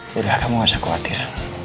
yaudah kamu gak usah khawatir